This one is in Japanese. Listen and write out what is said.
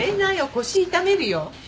腰痛めるよ。